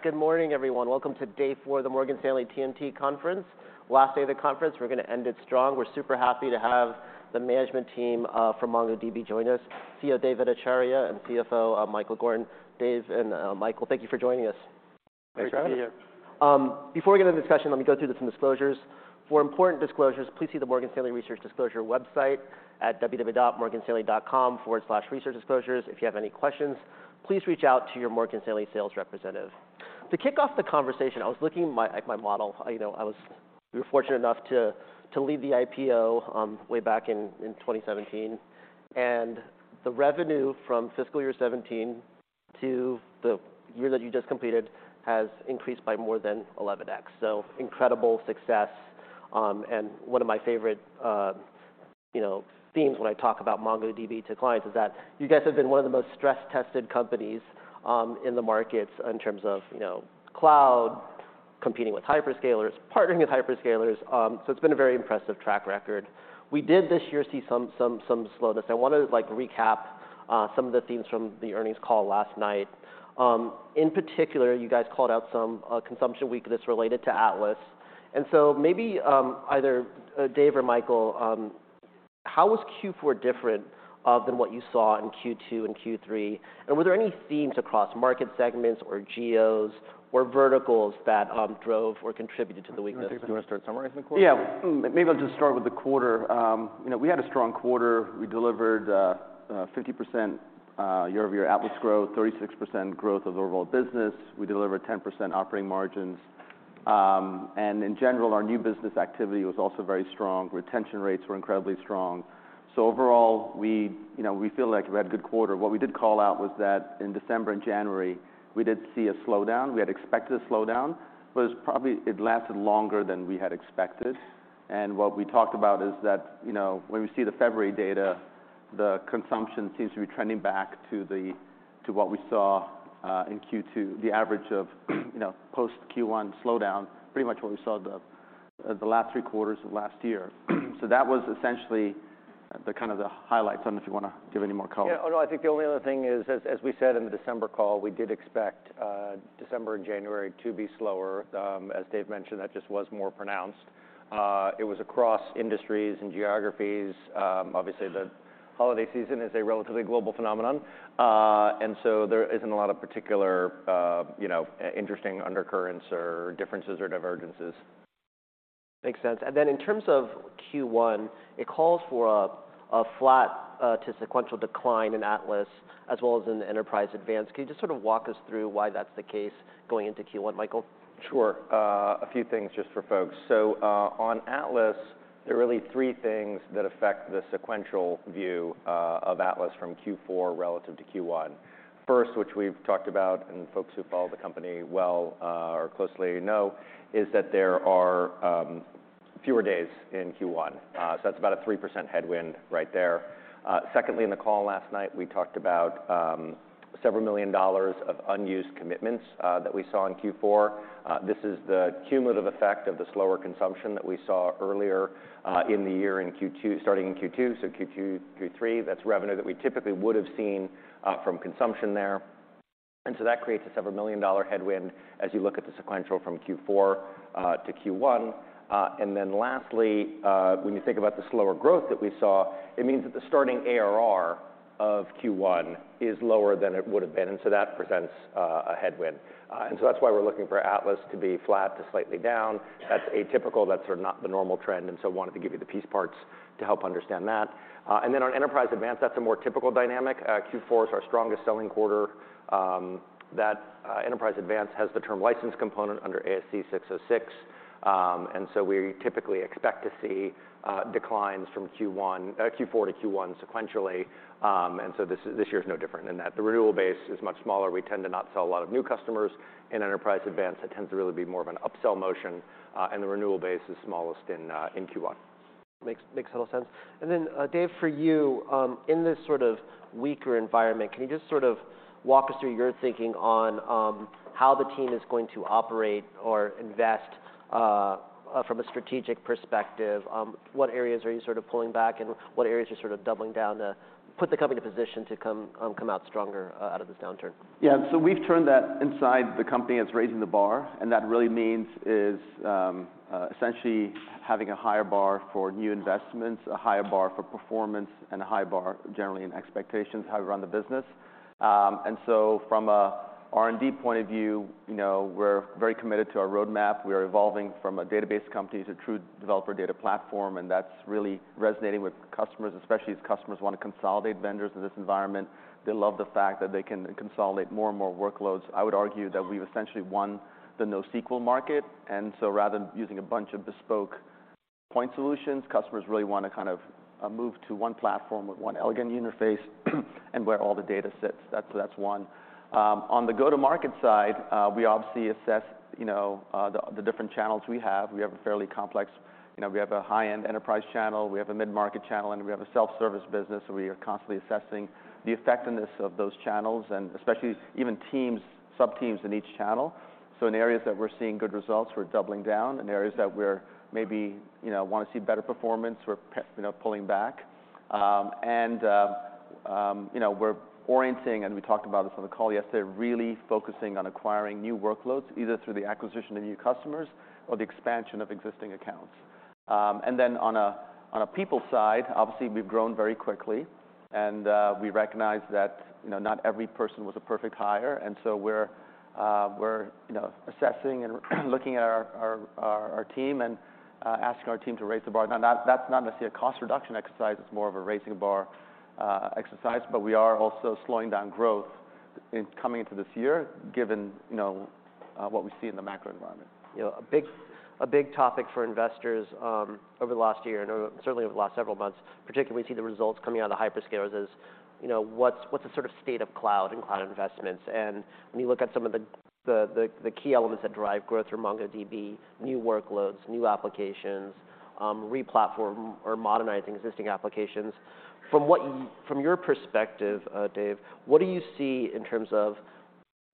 Good morning, everyone. Welcome to day four of the Morgan Stanley TMT conference. Last day of the conference, we're gonna end it strong. We're super happy to have the management team from MongoDB join us. CEO Dev Ittycheria, and CFO Michael Gordon. Dev and Michael, thank you for joining us. Thanks for having us. Great to be here. Before we get into the discussion, let me go through some disclosures. For important disclosures, please see the Morgan Stanley Research Disclosure website at www.morganstanley.com/researchdisclosures. If you have any questions, please reach out to your Morgan Stanley sales representative. To kick off the conversation, I was looking at my model. You know, we were fortunate enough to lead the IPO way back in 2017. The revenue from fiscal year 2017 to the year that you just completed has increased by more than 11x. Incredible success. One of my favorite, you know, themes when I talk about MongoDB to clients is that you guys have been one of the most stress-tested companies in the markets in terms of, you know, cloud, competing with hyperscalers, partnering with hyperscalers. It's been a very impressive track record. We did this year see some slowness. I wanna like recap some of the themes from the earnings call last night. In particular, you guys called out some consumption weakness related to Atlas. Maybe either Dev or Michael, how was Q4 different than what you saw in Q2 and Q3? Were there any themes across market segments or geos or verticals that drove or contributed to the weakness? You wanna take this? You wanna start summarizing the quarter? Yeah. Maybe I'll just start with the quarter. You know, we had a strong quarter. We delivered 50% year-over-year Atlas growth, 36% growth of the overall business. We delivered 10% operating margins. In general, our new business activity was also very strong. Retention rates were incredibly strong. Overall we, you know, we feel like we had a good quarter. What we did call out was that in December and January, we did see a slowdown. We had expected a slowdown, but it lasted longer than we had expected. What we talked about is that, you know, when we see the February data, the consumption seems to be trending back to what we saw in Q2, the average of, you know, post Q1 slowdown, pretty much what we saw the last three quarters of last year. That was essentially the kind of the highlights. I don't know if you wanna give any more color. Yeah. No, I think the only other thing is, as we said in the December call, we did expect December and January to be slower. As Dev mentioned, that just was more pronounced. It was across industries and geographies. Obviously the holiday season is a relatively global phenomenon. There isn't a lot of particular, you know, interesting undercurrents or differences or divergences. Makes sense. Then in terms of Q1, it calls for a flat to sequential decline in Atlas as well as in the Enterprise Advanced. Can you just sort of walk us through why that's the case going into Q1, Michael? A few things just for folks. On Atlas, there are really three things that affect the sequential view of Atlas from Q4 relative to Q1. First, which we've talked about and folks who follow the company well or closely know, is that there are fewer days in Q1. That's about a 3% headwind right there. Secondly, in the call last night, we talked about several million dollars of unused commitments that we saw in Q4. This is the cumulative effect of the slower consumption that we saw earlier in the year starting in Q2, so Q2, Q3. That's revenue that we typically would have seen from consumption there. That creates a several million dollar headwind as you look at the sequential from Q4 to Q1. Lastly, when you think about the slower growth that we saw, it means that the starting ARR of Q1 is lower than it would have been, that presents a headwind. That's why we're looking for Atlas to be flat to slightly down. That's atypical. That's sort of not the normal trend, wanted to give you the piece parts to help understand that. On Enterprise Advanced, that's a more typical dynamic. Q4 is our strongest selling quarter, that Enterprise Advanced has the term license component under ASC 606. We typically expect to see declines from Q4 to Q1 sequentially. This year is no different in that. The renewal base is much smaller. We tend to not sell a lot of new customers in Enterprise Advanced. It tends to really be more of an upsell motion, and the renewal base is smallest in Q1. Makes a lot of sense. Then, Dev, for you, in this sort of weaker environment, can you just sort of walk us through your thinking on how the team is going to operate or invest from a strategic perspective? What areas are you sort of pulling back, and what areas you're sort of doubling down to put the company to position to come out stronger out of this downturn? Yeah. We've turned that inside the company as raising the bar, and that really means is, essentially having a higher bar for new investments, a higher bar for performance, and a high bar generally in expectations, how we run the business. From a R&D point of view, you know, we're very committed to our roadmap. We are evolving from a database company to true developer data platform, and that's really resonating with customers, especially as customers wanna consolidate vendors in this environment. They love the fact that they can consolidate more and more workloads. I would argue that we've essentially won the NoSQL market. Rather than using a bunch of bespoke point solutions, customers really wanna kind of move to one platform with one elegant interface and where all the data sits. That's one. On the go-to-market side, we obviously assess the different channels we have. We have a high-end enterprise channel, we have a mid-market channel, and we have a self-service business, so we are constantly assessing the effectiveness of those channels, and especially even teams, subteams in each channel. In areas that we're seeing good results, we're doubling down. In areas that we're maybe wanna see better performance, we're pulling back. We're orienting, and we talked about this on the call yesterday, really focusing on acquiring new workloads, either through the acquisition of new customers or the expansion of existing accounts. Then on a people side, obviously we've grown very quickly. We recognize that, you know, not every person was a perfect hire, and so we're, you know, assessing and looking at our team and asking our team to raise the bar. Now that's not necessarily a cost reduction exercise, it's more of a raising the bar exercise. We are also slowing down growth in coming into this year, given, you know, what we see in the macro environment. You know, a big topic for investors, over the last year, and certainly over the last several months, particularly as we see the results coming out of the hyperscalers is, you know, what's the sort of state of cloud and cloud investments? When you look at some of the key elements that drive growth for MongoDB, new workloads, new applications, re-platform or modernizing existing applications. From your perspective, Dev, what do you see in terms of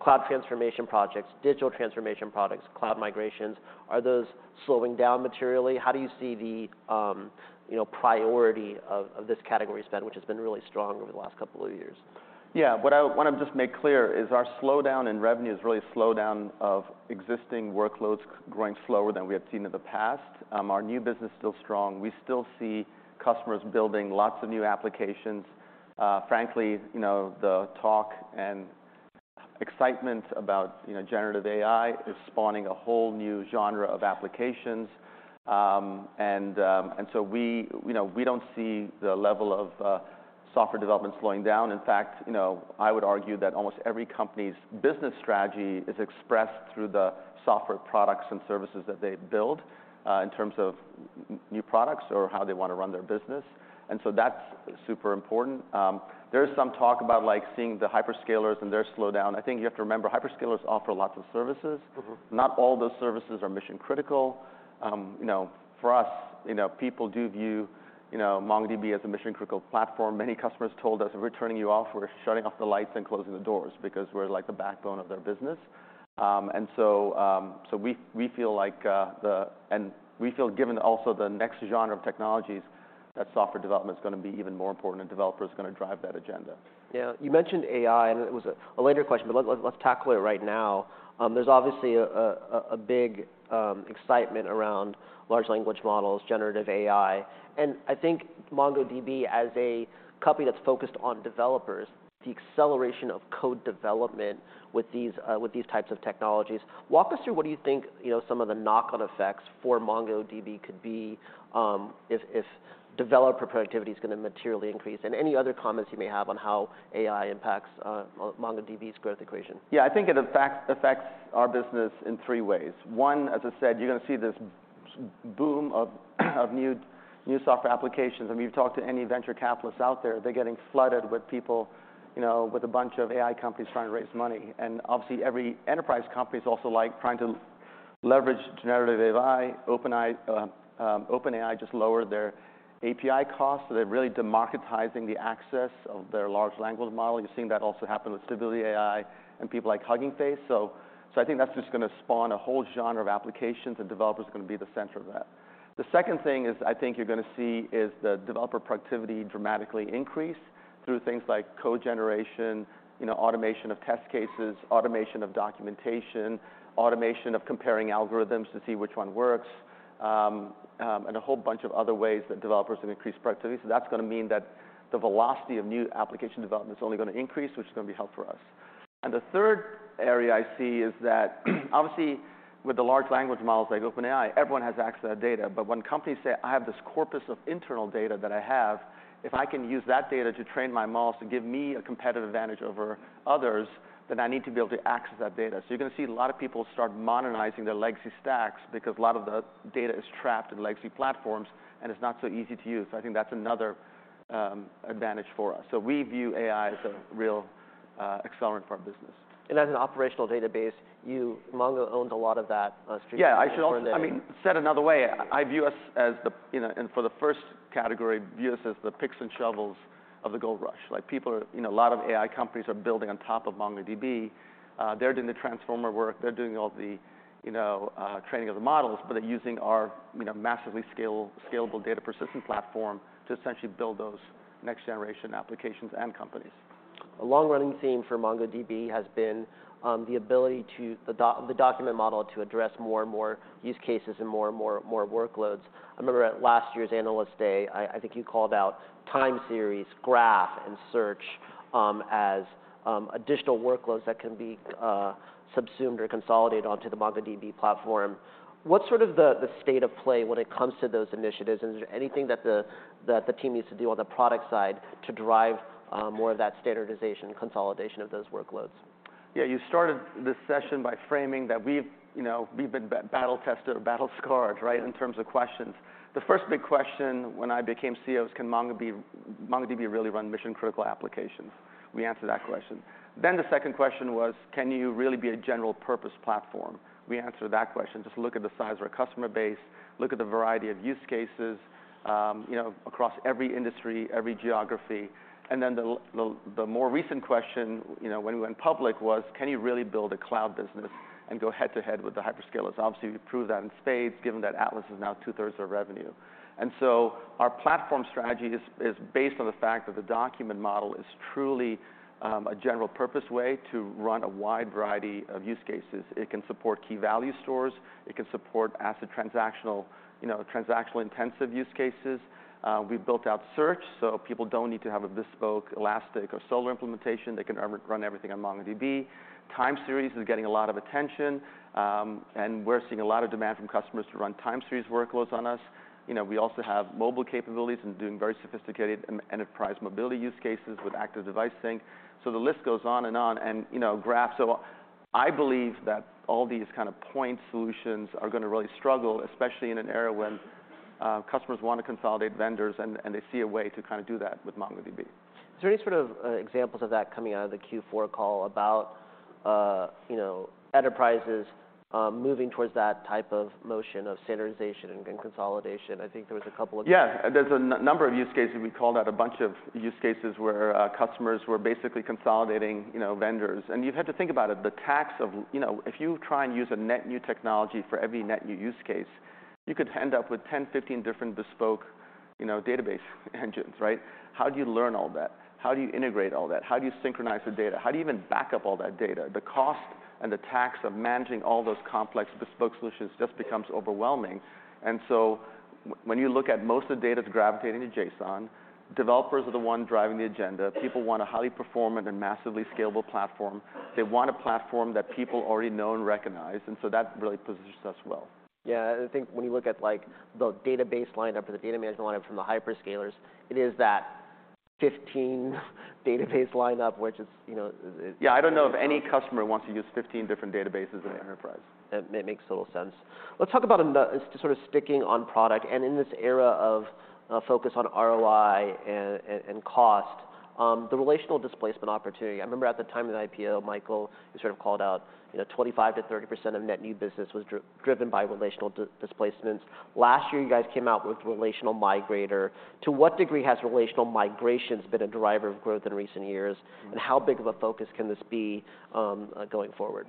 cloud transformation projects, digital transformation projects, cloud migrations? Are those slowing down materially? How do you see the, you know, priority of this category spend, which has been really strong over the last couple of years? Yeah. What I wanna just make clear is our slowdown in revenue is really a slowdown of existing workloads growing slower than we have seen in the past. Our new business is still strong. We still see customers building lots of new applications. Frankly, you know, the talk and excitement about, you know, generative AI is spawning a whole new genre of applications. We, you know, we don't see the level of software development slowing down. In fact, you know, I would argue that almost every company's business strategy is expressed through the software products and services that they build, in terms of new products or how they wanna run their business. That's super important. There is some talk about, like, seeing the hyperscalers and their slowdown. I think you have to remember, hyperscalers offer lots of services. Mm-hmm. Not all those services are mission critical. you know, for us, you know, people do view, you know, MongoDB as a mission-critical platform. Many customers told us, "If we're turning you off, we're shutting off the lights and closing the doors," because we're like the backbone of their business. we feel like given also the next genre of technologies, that software development's gonna be even more important, and developers are gonna drive that agenda. Yeah. You mentioned AI, a later question, let's tackle it right now. There's obviously a big excitement around large language models, generative AI. I think MongoDB, as a company that's focused on developers, the acceleration of code development with these types of technologies. Walk us through what you think, you know, some of the knock-on effects for MongoDB could be if developer productivity is gonna materially increase. Any other comments you may have on how AI impacts MongoDB's growth equation. Yeah. I think it affects our business in three ways. One, as I said, you're gonna see this boom of new software applications. I mean, if you talk to any venture capitalists out there, they're getting flooded with people, you know, with a bunch of AI companies trying to raise money. Obviously, every enterprise company is also, like, trying to leverage generative AI. OpenAI just lowered their API costs, so they're really democratizing the access of their large language model. You're seeing that also happen with Stability AI and people like Hugging Face. I think that's just gonna spawn a whole genre of applications, and developers are gonna be the center of that. The second thing is I think you're gonna see is the developer productivity dramatically increase through things like code generation, you know, automation of test cases, automation of documentation, automation of comparing algorithms to see which one works, and a whole bunch of other ways that developers can increase productivity. That's gonna mean that the velocity of new application development's only gonna increase, which is gonna be a help for us. The third area I see is that obviously, with the large language models like OpenAI, everyone has access to that data. When companies say, "I have this corpus of internal data that I have, if I can use that data to train my models to give me a competitive advantage over others, then I need to be able to access that data." You're gonna see a lot of people start modernizing their legacy stacks because a lot of the data is trapped in legacy platforms, and it's not so easy to use. I think that's another advantage for us. We view AI as a real accelerant for our business. as an operational database, Mongo owns a lot of that, stream-. Yeah. I should also. For. I mean, said another way, for the first category, view us as the picks and shovels of the gold rush. Like, people are, you know, a lot of AI companies are building on top of MongoDB. They're doing the transformer work, they're doing all the, you know, training of the models, but they're using our, you know, massively scalable data persistent platform to essentially build those next generation applications and companies. A long-running theme for MongoDB has been the ability to the document model to address more and more use cases and more and more workloads. I remember at last year's Analyst Day, I think you called out time series, graph, and search as additional workloads that can be subsumed or consolidated onto the MongoDB platform. What's sort of the state of play when it comes to those initiatives? Is there anything that the team needs to do on the product side to drive more of that standardization and consolidation of those workloads? Yeah. You started this session by framing that we've, you know, we've been battle tested or battle scarred, right, in terms of questions. The first big question when I became CEO is, can MongoDB really run mission-critical applications? We answered that question. The second question was, can you really be a general purpose platform? We answered that question. Just look at the size of our customer base, look at the variety of use cases, you know, across every industry, every geography. The more recent question, you know, when we went public was, can you really build a cloud business and go head-to-head with the hyperscalers? Obviously, we proved that in spades given that Atlas is now 2/3 of our revenue. Our platform strategy is based on the fact that the document model is truly a general-purpose way to run a wide variety of use cases. It can support key value stores, it can support ACID transactional, you know, transactional intensive use cases. We've built out search, so people don't need to have a bespoke, Elasticsearch or Solr implementation. They can run everything on MongoDB. Time series is getting a lot of attention, and we're seeing a lot of demand from customers to run time series workloads on us. You know, we also have mobile capabilities and doing very sophisticated enterprise mobility use cases with Atlas Device Sync. The list goes on and on and, you know, graphs. I believe that all these kind of point solutions are gonna really struggle, especially in an era when customers wanna consolidate vendors and they see a way to kinda do that with MongoDB. Is there any sort of examples of that coming out of the Q4 call about, you know, enterprises moving towards that type of motion of standardization and consolidation? I think there was. Yeah. There's a number of use cases. We called out a bunch of use cases where customers were basically consolidating, you know, vendors. You had to think about it, the tax of... You know, if you try and use a net new technology for every net new use case, you could end up with 10, 15 different bespoke, you know, database engines, right? How do you learn all that? How do you integrate all that? How do you synchronize the data? How do you even back up all that data? The cost and the tax of managing all those complex bespoke solutions just becomes overwhelming. When you look at most of the data's gravitating to JSON, developers are the one driving the agenda. People want a highly performant and massively scalable platform. They want a platform that people already know and recognize, and so that really positions us well. Yeah. I think when you look at, like, the database lineup or the data management lineup from the hyperscalers, it is that 15 database lineup, which is, you know. Yeah. I don't know if any customer wants to use 15 different databases in the enterprise. It makes total sense. Let's talk about Just sort of sticking on product and in this era of focus on ROI and cost, the relational displacement opportunity. I remember at the time of the IPO, Michael, you sort of called out, you know, 25%-30% of net new business was driven by relational displacements. Last year, you guys came out with Relational Migrator. To what degree has relational migrations been a driver of growth in recent years, and how big of a focus can this be going forward?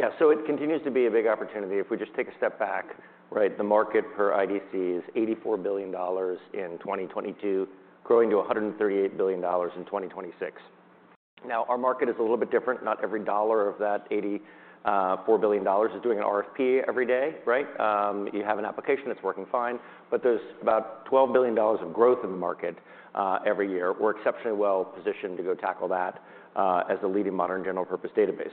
It continues to be a big opportunity. If we just take a step back, right, the market per IDC is $84 billion in 2022, growing to $138 billion in 2026. Our market is a little bit different. Not every dollar of that $84 billion is doing an RFP every day, right? You have an application that's working fine, but there's about $12 billion of growth in the market every year. We're exceptionally well-positioned to go tackle that as the leading modern general-purpose database.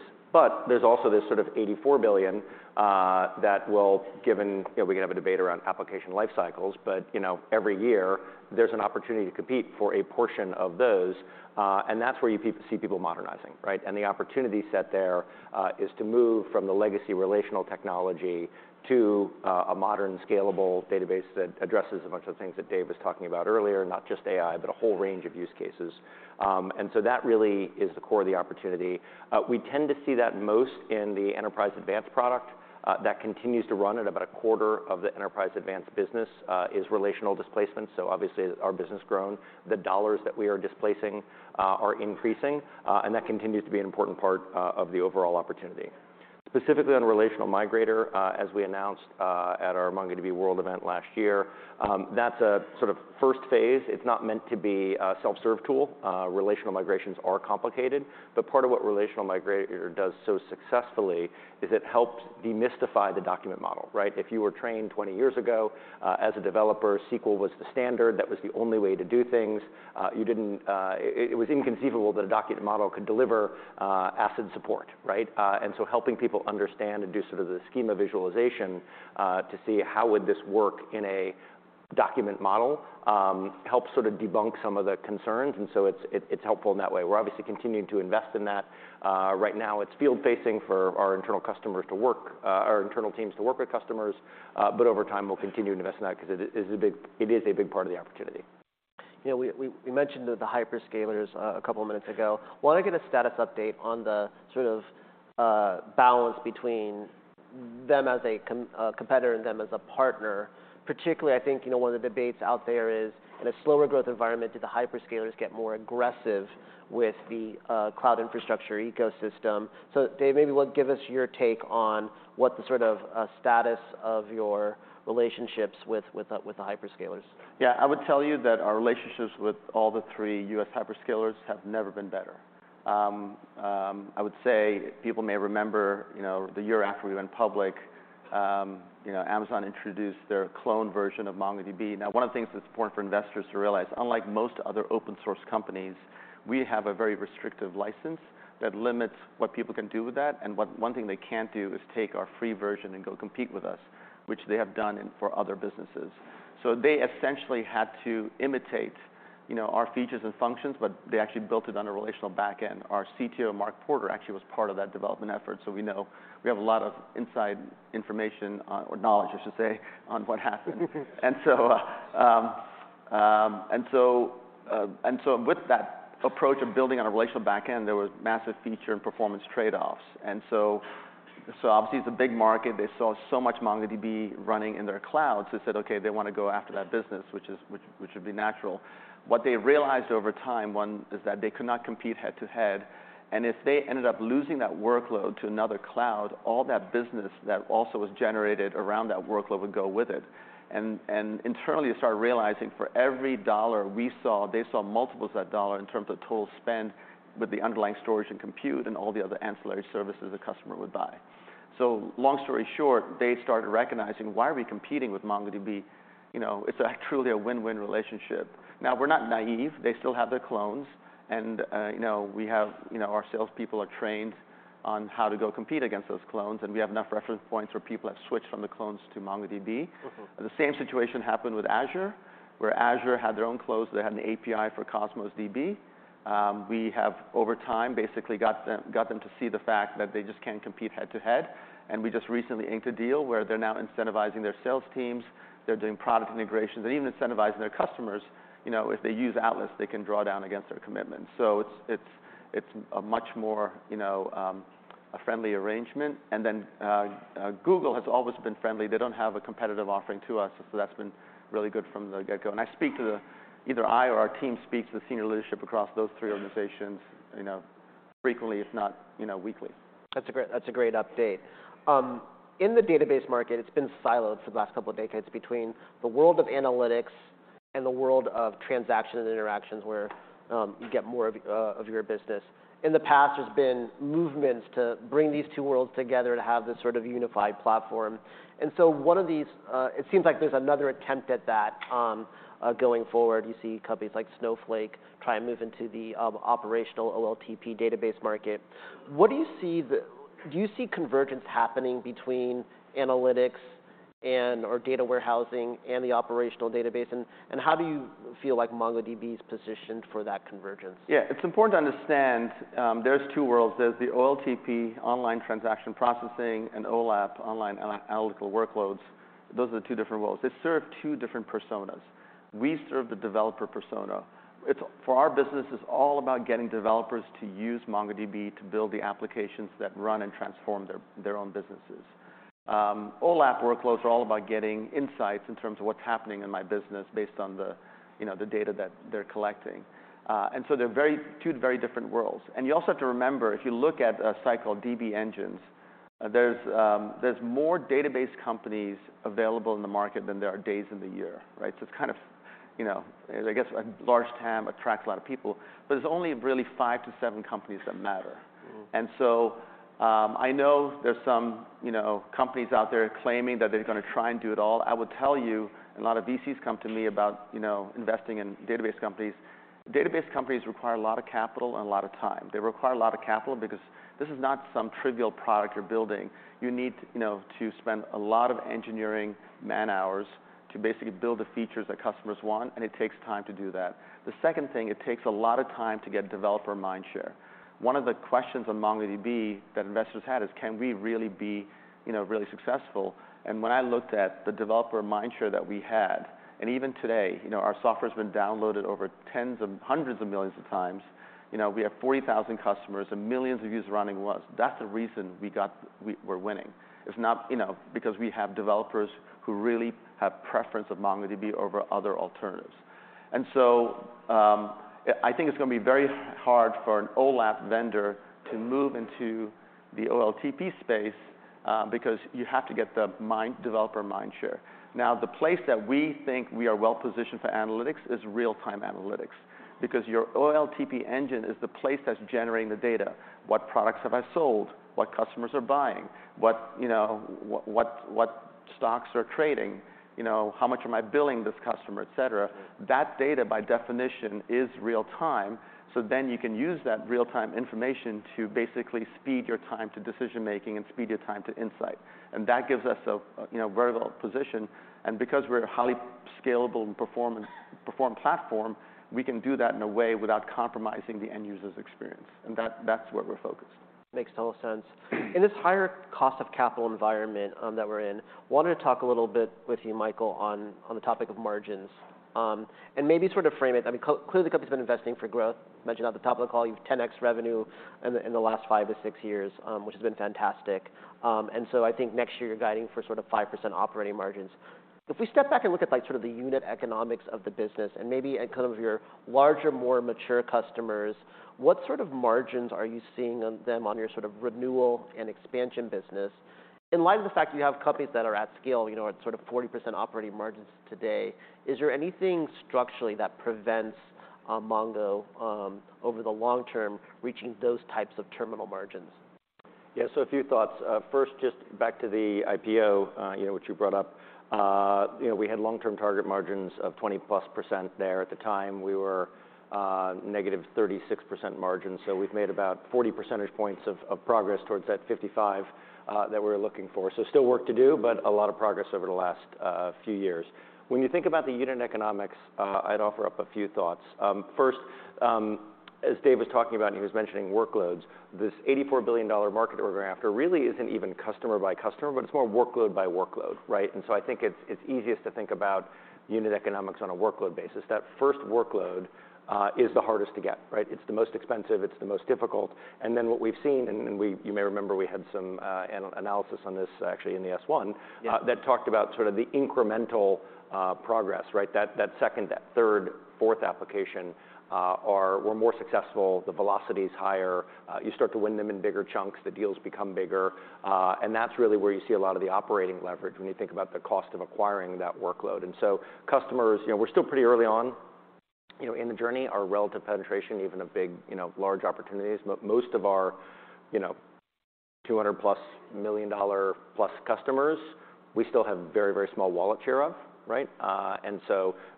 There's also this sort of $84 billion that will, given You know, we can have a debate around application life cycles, but, you know, every year there's an opportunity to compete for a portion of those, and that's where you see people modernizing, right? The opportunity set there is to move from the legacy relational technology to a modern scalable database that addresses a bunch of the things that Dev was talking about earlier, not just AI, but a whole range of use cases. That really is the core of the opportunity. We tend to see that most in the Enterprise Advanced product that continues to run at about a quarter of the Enterprise Advanced business is relational displacement. Obviously as our business grow, the dollars that we are displacing are increasing, and that continues to be an important part of the overall opportunity. Specifically on Relational Migrator, as we announced at our MongoDB World event last year, that's a sort of first phase. It's not meant to be a self-serve tool. Relational migrations are complicated, part of what Relational Migrator does so successfully is it helps demystify the document model, right? If you were trained 20 years ago, as a developer, SQL was the standard. That was the only way to do things. It was inconceivable that a document model could deliver asset support, right? Helping people understand and do sort of the schema visualization, to see how would this work in a document model, helps sort of debunk some of the concerns, it's helpful in that way. We're obviously continuing to invest in that. Right now it's field facing for our internal teams to work with customers, over time we'll continue to invest in that 'cause it is a big part of the opportunity. You know, we mentioned the hyperscalers a couple minutes ago. Wanna get a status update on the sort of balance between them as a competitor and them as a partner. Particularly, I think, you know, one of the debates out there is, in a slower growth environment, do the hyperscalers get more aggressive with the cloud infrastructure ecosystem? Dev, maybe we'll give us your take on what the sort of status of your relationships with the hyperscalers. Yeah. I would tell you that our relationships with all the three U.S. hyperscalers have never been better. I would say people may remember, you know, the year after we went public, you know, Amazon introduced their clone version of MongoDB. One of the things that's important for investors to realize, unlike most other open source companies, we have a very restrictive license that limits what people can do with that, and what one thing they can't do is take our free version and go compete with us, which they have done for other businesses. They essentially had to imitate, you know, our features and functions, but they actually built it on a relational back end. Our CTO, Mark Porter, actually was part of that development effort, we know. We have a lot of inside information on, or knowledge I should say, on what happened. With that approach of building on a relational back end, there was massive feature and performance trade-offs. Obviously it's a big market. They saw so much MongoDB running in their clouds. They said, okay, they wanna go after that business, which would be natural. What they realized over time, one, is that they could not compete head-to-head, and if they ended up losing that workload to another cloud, all that business that also was generated around that workload would go with it. Internally started realizing for every dollar we saw, they saw multiples of that dollar in terms of total spend with the underlying storage and compute and all the other ancillary services a customer would buy. Long story short, they started recognizing, why are we competing with MongoDB? You know, it's a truly a win-win relationship. Now, we're not naive. They still have their clones, and, you know, we have, you know, our sales people are trained on how to go compete against those clones, and we have enough reference points where people have switched from the clones to MongoDB. Mm-hmm. The same situation happened with Azure, where Azure had their own clones. They had an API for Cosmos DB. We have over time basically got them to see the fact that they just can't compete head to head. We just recently inked a deal where they're now incentivizing their sales teams. They're doing product integrations. They're even incentivizing their customers, you know, if they use Atlas, they can draw down against their commitments. It's a much more, you know, a friendly arrangement. Google has always been friendly. They don't have a competitive offering to us. That's been really good from the get-go. I speak to either I or our team speaks to the senior leadership across those three organizations, you know, frequently, if not, you know, weekly. That's a great update. In the database market, it's been siloed for the last couple of decades between the world of analytics and the world of transaction interactions where you get more of your business. In the past, there's been movements to bring these two worlds together to have this sort of unified platform. One of these, it seems like there's another attempt at that going forward. You see companies like Snowflake try and move into the operational OLTP database market. Do you see convergence happening between analytics and/or data warehousing and the operational database and how do you feel like MongoDB is positioned for that convergence? Yeah. It's important to understand, there's two worlds. There's the OLTP, online transaction processing, and OLAP, online analytical workloads. Those are the two different worlds. They serve two different personas. We serve the developer persona. For our business, it's all about getting developers to use MongoDB to build the applications that run and transform their own businesses. OLAP workloads are all about getting insights in terms of what's happening in my business based on the, you know, the data that they're collecting. They're two very different worlds. You also have to remember, if you look at a DB-Engines, there's more database companies available in the market than there are days in the year, right? It's kind of, you know, I guess a large TAM attracts a lot of people. There's only really five to seven companies that matter. Mm-hmm. I know there's some, you know, companies out there claiming that they're gonna try and do it all. I would tell you, a lot of VCs come to me about, you know, investing in database companies. Database companies require a lot of capital and a lot of time. They require a lot of capital because this is not some trivial product you're building. You need, you know, to spend a lot of engineering man-hours to basically build the features that customers want, and it takes time to do that. The second thing, it takes a lot of time to get developer mind share. One of the questions on MongoDB that investors had is: Can we really be, you know, really successful? When I looked at the developer mind share that we had, and even today, you know, our software's been downloaded over tens of hundreds of millions of times. You know, we have 40,000 customers and millions of users running one. That's the reason we're winning. It's not, you know, because we have developers who really have preference of MongoDB over other alternatives. So, I think it's gonna be very hard for an OLAP vendor to move into the OLTP space because you have to get the developer mind share. The place that we think we are well-positioned for analytics is real-time analytics because your OLTP engine is the place that's generating the data. What products have I sold? What customers are buying? What, you know, what, what stocks are trading? You know, how much am I billing this customer, et cetera? That data by definition is real time, so then you can use that real-time information to basically speed your time to decision-making and speed your time to insight. That gives us a, you know, very well position. Because we're a highly scalable performant platform, we can do that in a way without compromising the end user's experience. That's where we're focused. Makes total sense. In this higher cost of capital environment that we're in, wanted to talk a little bit with you, Michael, on the topic of margins, and maybe sort of frame it. I mean, clearly the company's been investing for growth. Mentioned at the top of the call, you've 10x revenue in the last five to six years, which has been fantastic. I think next year you're guiding for sort of 5% operating margins. If we step back and look at like sort of the unit economics of the business and maybe at kind of your larger, more mature customers, what sort of margins are you seeing on them on your sort of renewal and expansion business? In light of the fact that you have companies that are at scale, you know, at sort of 40% operating margins today, is there anything structurally that prevents, MongoDB, over the long term reaching those types of terminal margins? A few thoughts. First, just back to the IPO, you know, which you brought up. You know, we had long-term target margins of 20%+ there. At the time, we were -36% margins, so we've made about 40 percentage points of progress towards that 55% that we're looking for. Still work to do, but a lot of progress over the last few years. When you think about the unit economics, I'd offer up a few thoughts. First, as Dev was talking about, and he was mentioning workloads, this $84 billion market we're going after really isn't even customer by customer, but it's more workload by workload, right? I think it's easiest to think about unit economics on a workload basis. That first workload is the hardest to get, right? It's the most expensive. It's the most difficult. What we've seen, and you may remember we had some analysis on this actually in the S-1. Yeah... that talked about sort of the incremental progress, right? That second, third, fourth application were more successful. The velocity is higher. You start to win them in bigger chunks. The deals become bigger. That's really where you see a lot of the operating leverage when you think about the cost of acquiring that workload. Customers, you know, we're still pretty early on. You know, in the journey, our relative penetration, even a big, you know, large opportunities, most of our, you know, $200+ million+ customers, we still have very, very small wallet share of, right?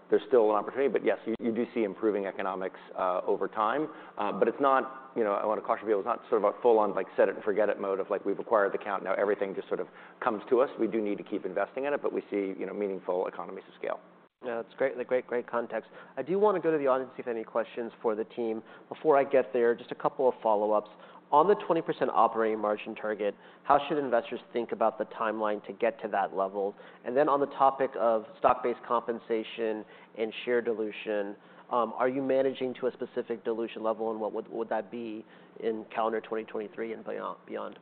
There's still an opportunity. Yes, you do see improving economics over time. It's not, you know, I wanna caution people, it's not sort of a full on like set it and forget it mode of like we've acquired the count, now everything just sort of comes to us. We do need to keep investing in it, but we see, you know, meaningful economies of scale. No, that's great. A great context. I do want to go to the audience, see if there any questions for the team. Before I get there, just a couple of follow-ups. On the 20% operating margin target, how should investors think about the timeline to get to that level? On the topic of stock-based compensation and share dilution, are you managing to a specific dilution level, and what would that be in calendar 2023 and beyond?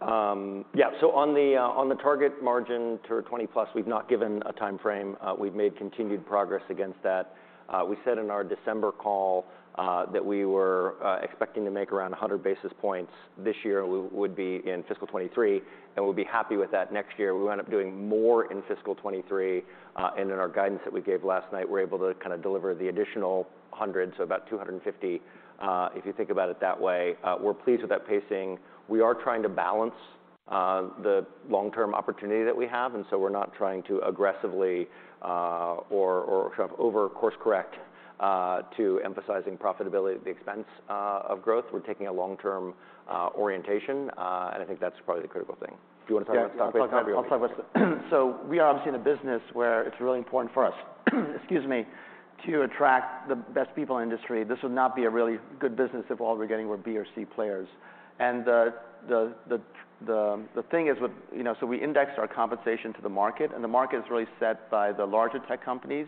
Yeah. On the target margin to 20%+, we've not given a timeframe. We've made continued progress against that. We said in our December call that we were expecting to make around 100 basis points this year, would be in fiscal 2023, and we'll be happy with that next year. We wound up doing more in fiscal 2023. In our guidance that we gave last night, we're able to kind of deliver the additional 100, so about 250, if you think about it that way. We're pleased with that pacing. We are trying to balance the long-term opportunity that we have, and so we're not trying to aggressively, or sort of over course correct, to emphasizing profitability at the expense of growth. We're taking a long-term orientation. I think that's probably the critical thing. Do you wanna talk about stock-based? Yeah. So we are obviously in a business where it's really important for us, excuse me, to attract the best people in industry. This would not be a really good business if all we're getting were B or C players. The thing is with, you know, so we index our compensation to the market, and the market is really set by the larger tech companies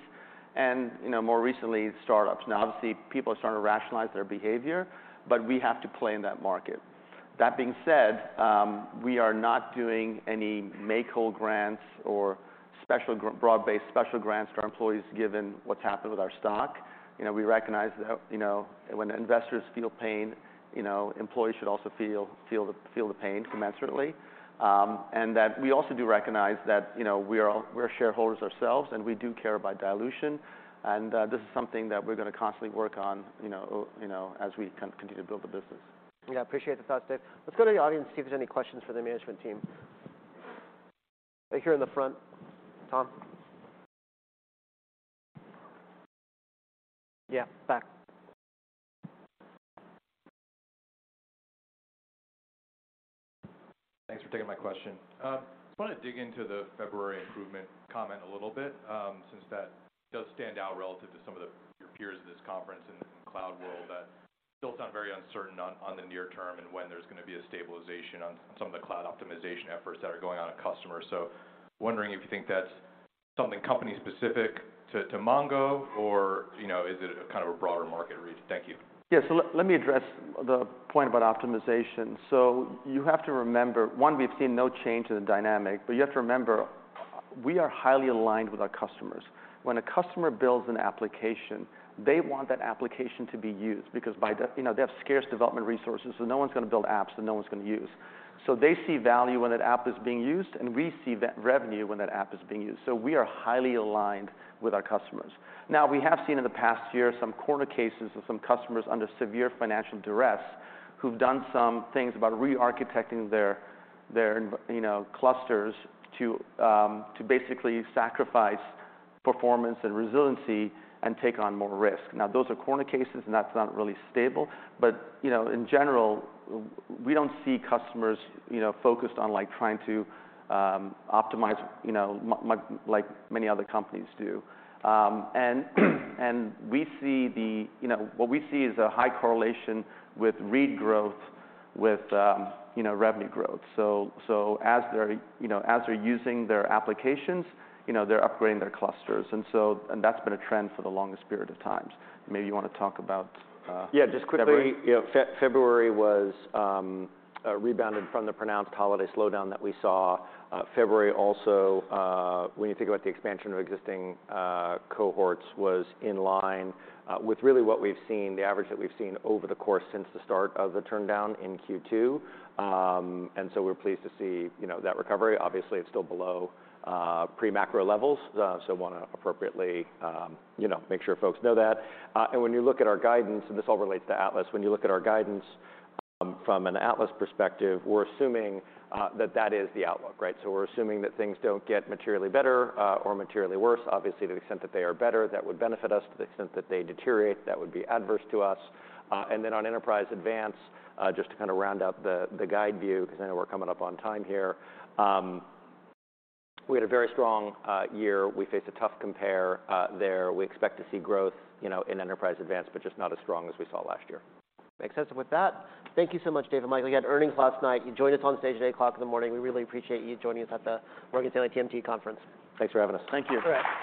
and, you know, more recently startups. Obviously people are starting to rationalize their behavior, but we have to play in that market. That being said, we are not doing any make-whole grants or broad-based special grants to our employees given what's happened with our stock. You know, we recognize that, you know, when investors feel pain, you know, employees should also feel the pain commensurately. That we also do recognize that, you know, we are all, we're shareholders ourselves and we do care about dilution and, this is something that we're gonna constantly work on, you know, as we continue to build the business. Appreciate the thought, Dev. Let's go to the audience and see if there's any questions for the management team. Right here in the front. Tom? Back. Thanks for taking my question. Just wanna dig into the February improvement comment a little bit, since that does stand out relative to some of the, your peers at this conference in cloud world that still sound very uncertain on the near term and when there's gonna be a stabilization on some of the cloud optimization efforts that are going on in customers. Wondering if you think that's something company specific to Mongo or, you know, is it a kind of a broader market read? Thank you. Let me address the point about optimization. You have to remember, one, we've seen no change in the dynamic, but you have to remember, we are highly aligned with our customers. When a customer builds an application, they want that application to be used because you know, they have scarce development resources, so no one's gonna build apps that no one's gonna use. They see value when that app is being used, and we see that revenue when that app is being used. We are highly aligned with our customers. Now we have seen in the past year some corner cases of some customers under severe financial duress who've done some things about re-architecting their, you know, clusters to basically sacrifice performance and resiliency and take on more risk. Those are corner cases and that's not really stable, but, you know, in general, we don't see customers, you know, focused on like trying to optimize, you know, like many other companies do. We see the, you know, what we see is a high correlation with read growth with, you know, revenue growth. As they're, you know, as they're using their applications, you know, they're upgrading their clusters and that's been a trend for the longest period of times. Maybe you want to talk about February. Just quickly, you know, February was rebounded from the pronounced holiday slowdown that we saw. February also, when you think about the expansion of existing cohorts was in line with really what we've seen, the average that we've seen over the course since the start of the turndown in Q2. We're pleased to see, you know, that recovery. Obviously it's still below pre-macro levels. Wanna appropriately, you know, make sure folks know that. When you look at our guidance, and this all relates to Atlas, when you look at our guidance from an Atlas perspective, we're assuming that that is the outlook, right? We're assuming that things don't get materially better or materially worse. Obviously to the extent that they are better, that would benefit us to the extent that they deteriorate, that would be adverse to us. On Enterprise Advanced, just to kind of round out the guide view, 'cause I know we're coming up on time here. We had a very strong year. We faced a tough compare there. We expect to see growth, you know, in Enterprise Advanced, but just not as strong as we saw last year. Makes sense. With that, thank you so much, Dev and Mike. You had earnings last night. You joined us on stage at 8:00 A.M. We really appreciate you joining us at the Morgan Stanley TMT Conference. Thanks for having us. Thank you. All right.